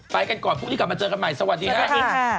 ไปกันก่อนพรุ่งนี้กลับมาเจอกันใหม่สวัสดีครับ